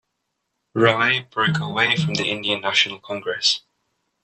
Rai broke away from the Indian National Congress.